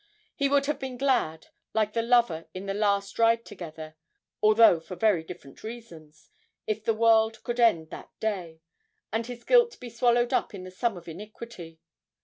He would have been glad, like the lover in 'The Last Ride Together' although for very different reasons if the world could end that day, and his guilt be swallowed up in the sum of iniquity.